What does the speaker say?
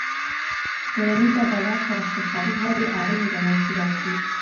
ټولنیز عدالت تر اقتصادي ودي اړین ګڼل کېدای سي.